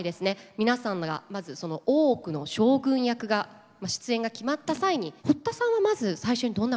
皆さんが「大奥」の将軍役が出演が決まった際に堀田さんはまず最初にどんなことを思いましたか？